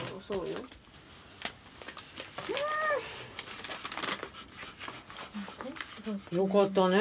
よかったね